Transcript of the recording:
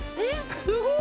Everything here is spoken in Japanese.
すごーい！